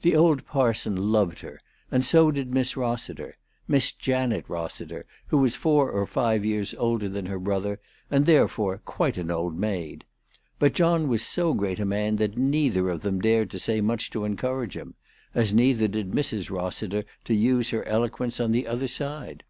The old parson loved her, and so did Miss Rossiter, Miss Janet Rossiter, who was four or five years older than her brother, and therefore quite an old maid. But John was so great a man that neither of them dared to say much to encourage him, as neither did Mrs. Rossiter to use her eloquence on the other side.